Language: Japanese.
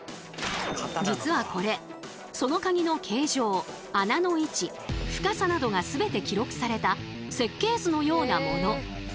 実はこれそのカギの形状穴の位置深さなどが全て記録された設計図のようなもの。